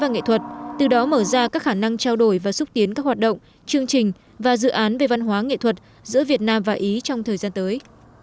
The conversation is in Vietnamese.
và nghệ thuật từ đó mở ra các khả năng trao đổi và xúc tiến các hoạt động chương trình và dự án về văn hóa nghệ thuật giữa việt nam và ý trong thời gian tới